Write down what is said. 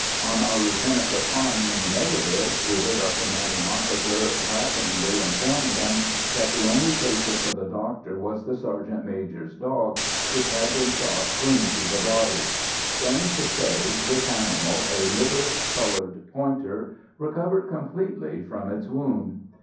On our lieutenant replying in the negative, we heard our commanding officer laughingly inform him that the only patient for the doctor was the sergeant major's dog, which had been shot clean through the body. Strange to say, this animal, a liver coloured pointer, recovered completely from its wound.